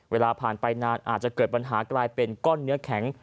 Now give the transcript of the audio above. เวลาผ่านไปนานอาจจะเกิดปัญหากลายเป็นก้อนเนื้อแข็ง